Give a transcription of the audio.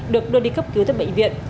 được đưa đi cấp cứu tới bệnh viện